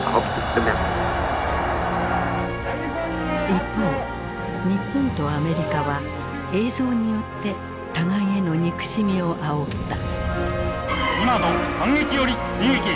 一方日本とアメリカは映像によって互いへの憎しみをあおった。